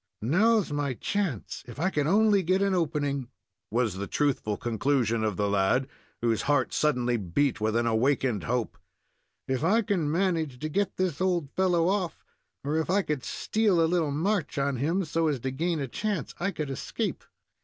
"Now is my chance, if I could only get an opening," was the truthful conclusion of the lad, whose heart suddenly beat with an awakened hope. "If I can manage to get this old fellow off, or if I could steal a little march on him, so as to gain a chance, I could escape.